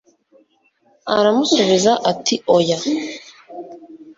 aramusubiza ati oya